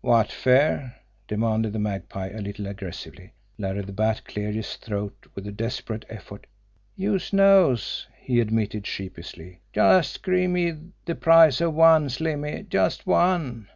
"Wot fer?" demanded the Magpie, a little aggressively. Larry the Bat cleared his throat with a desperate effort. "Youse knows," he admitted sheepishly. "Just gimme de price of one, Slimmy just one."